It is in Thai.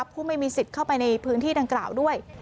ผู้ไม่มีสิทธิ์เข้าไปในพื้นที่ดังกล่าวด้วย